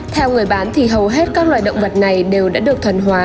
theo người bán thì hầu hết các loại động vật này đều đã được thần hóa